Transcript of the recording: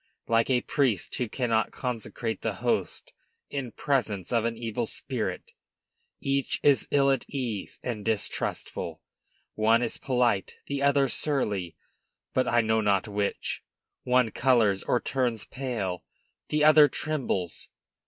Like a priest who cannot consecrate the host in presence of an evil spirit, each is ill at ease and distrustful; one is polite, the other surly, but I know not which; one colors or turns pale, the other trembles.